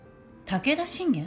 武田信玄？